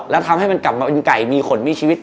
แล้วทำให้มันกลับมาเป็นไก่มีขนมีชีวิต